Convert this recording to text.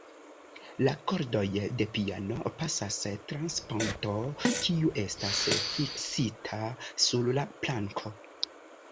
La kordoj de piano pasas trans ponto, kiu estas fiksita sur la planko.